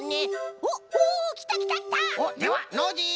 おっではノージー！